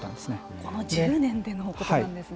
この１０年でのことなんですね。